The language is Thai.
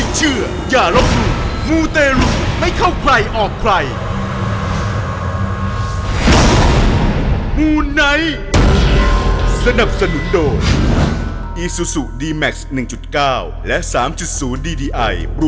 สวัสดีครับผู้ชมครับ